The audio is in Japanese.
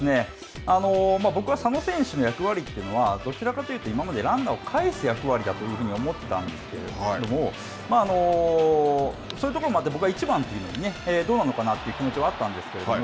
僕は佐野選手の役割というのはどちらかというと今までランナーを帰す役割だと思ってたんですけれども、そういうところまで僕は１番というのはどうなのかなという気持ちはあったんですけどこ